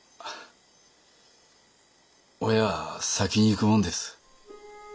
親は先に逝くもんです。